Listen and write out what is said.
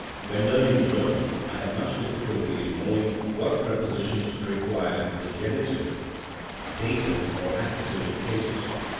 When learning (German, I had much difficulty in knowing what prepositions required the geni tive, dative or accusative cases.